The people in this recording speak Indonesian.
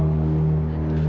kamu betul mano